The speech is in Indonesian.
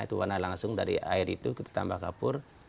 itu warna langsung dari air itu kita tambah kapur